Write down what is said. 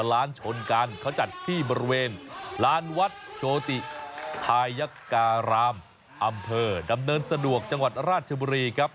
ร้านชนกันเขาจัดที่บริเวณลานวัดโชติภายการามอำเภอดำเนินสะดวกจังหวัดราชบุรีครับ